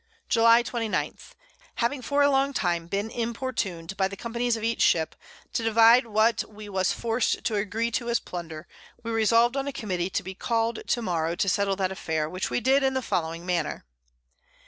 July 29. Having for a long time been importun'd by the Companys of each Ship, to divide what we was forc'd to agree to as Plunder, we resolved on a Committee to be called to morrow to settle that Affair, which we did in the following Manner.